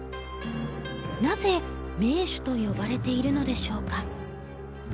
なぜ名手と呼ばれているのでしょうか？